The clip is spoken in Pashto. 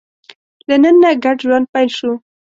له نن نه ګډ ژوند پیل شو.